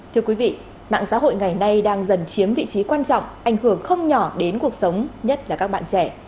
thưa quý vị mạng xã hội ngày nay đang dần chiếm vị trí quan trọng ảnh hưởng không nhỏ đến cuộc sống nhất là các bạn trẻ